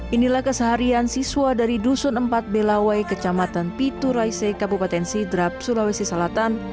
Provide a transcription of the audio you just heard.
inilah keseharian siswa dari dusun empat b lawai kecamatan pitu raisi kabupaten sidrab sulawesi salatan